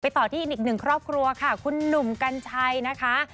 ต่อที่อีกหนึ่งครอบครัวค่ะคุณหนุ่มกัญชัยนะคะ